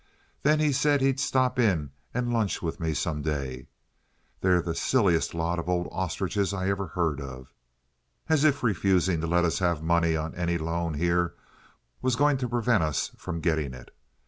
Then he said he'd stop in and lunch with me some day. They're the silliest lot of old ostriches I ever heard of. As if refusing to let us have money on any loan here was going to prevent us from getting it!